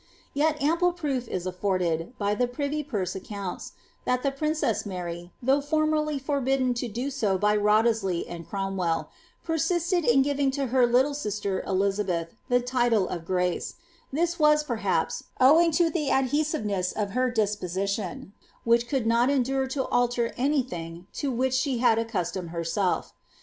Tet ample proof is aflbrded,!^ tlie privy purse accounts, that the princess Mary, though formally li bidden to do so by Wriothesley and Cromwell, persisted in giving 1 her little sister EUizabeth the title of grace; this was, perhaps, owiif J ilie adhesiveness of her disposition, which could not endure to alter li tiling to which she had accustomed herself.